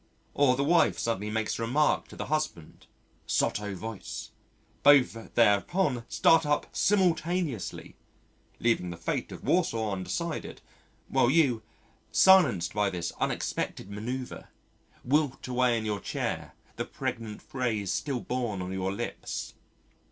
Or the wife suddenly makes a remark to the husband sotto voce, both thereupon start up simultaneously (leaving the fate of Warsaw undecided) while you, silenced by this unexpected manœuvre, wilt away in your chair, the pregnant phrase still born on your lips.